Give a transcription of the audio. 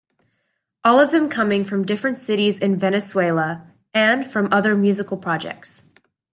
All of them coming from different cities in Venezuela and from other musical projects.